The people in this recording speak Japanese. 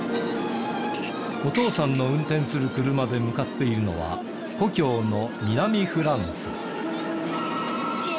お父さんの運転する車で向かっているのは故郷の南フランス。